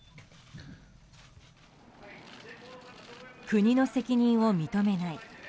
国の責任を認めない。